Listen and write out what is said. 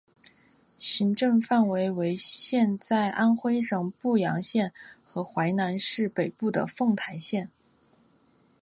行政范围为现在安徽省阜阳市和淮南市北部的凤台县。